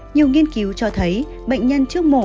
nhiều nghiên cứu cho thấy bệnh nhân trước mổ